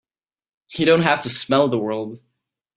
You don't have to smell the world!